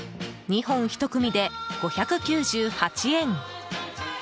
２本１組で５９８円。